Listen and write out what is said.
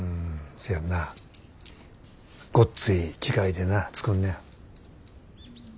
せやなごっつい機械でな作んねや。